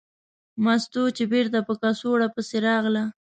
مستو چې بېرته په کڅوړه پسې راغله.